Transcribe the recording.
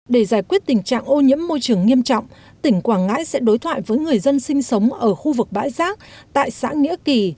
để giải quyết tình trạng ô nhiễm môi trường nghiêm trọng tỉnh quảng ngãi sẽ đối thoại với người dân sinh sống ở khu vực bãi rác tại xã nghĩa kỳ